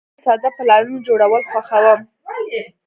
زه د ساده پلانونو جوړول خوښوم.